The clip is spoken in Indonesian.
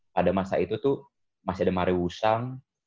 pada masa itu tuh masih ada marewusang